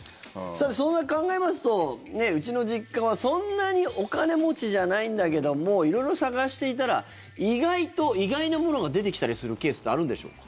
そう考えますとうちの実家はそんなにお金持ちじゃないんだけども色々探していたら意外と、意外なものが出てきたりするケースってあるんでしょうか。